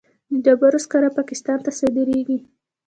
د ډبرو سکاره پاکستان ته صادریږي